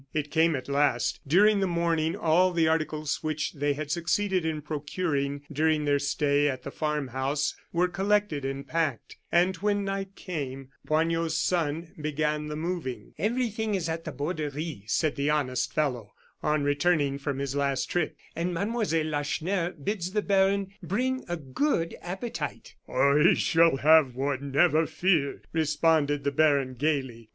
It came at last. During the morning all the articles which they had succeeded in procuring during their stay at the farm house were collected and packed; and when night came, Poignot's son began the moving. "Everything is at the Borderie," said the honest fellow, on returning from his last trip, "and Mademoiselle Lacheneur bids the baron bring a good appetite." "I shall have one, never fear!" responded the baron, gayly.